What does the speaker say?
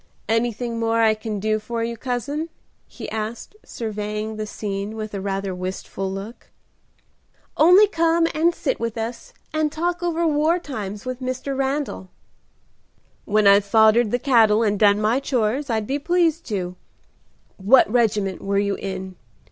"Anything more I can do for you, cousin?" he asked, surveying the scene with a rather wistful look. "Only come and sit with us and talk over war times with Mr. Randal." "When I've foddered the cattle and done my chores I'd be pleased to. What regiment were you in?"